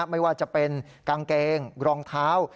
ไม่ว่าจะเป็นกางเกงรองเท้า